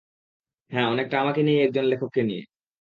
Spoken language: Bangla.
হ্যাঁ, অনেকটা আমাকে নিয়েই একজন লেখককে নিয়ে।